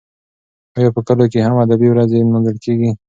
ایا په کلو کې هم ادبي ورځې لمانځل کیږي؟